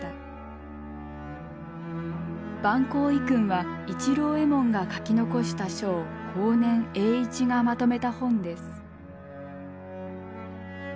「晩香遺薫」は市郎右衛門が書き残した書を後年栄一がまとめた本です。